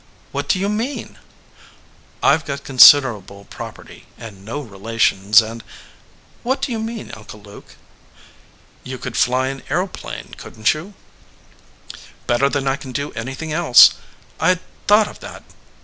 "What do you mean?" "I ve got considerable property, and no relations, and " "What do you mean, Uncle Luke?" "You could fly an aeroplane, couldn t you ?" "Better than I can do anything else. I d thought of that.